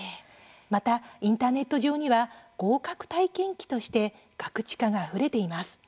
また、インターネット上には合格体験記としてガクチカがあふれています。